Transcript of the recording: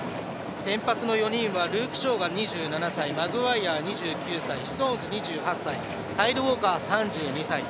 先発の４人はルーク・ショーが２７歳マグワイアが２９歳ストーンズ、２９歳カイル・ウォーカー、３２歳。